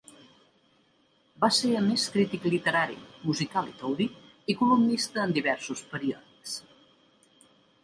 Va ser a més crític literari, musical i taurí i columnista en diversos periòdics.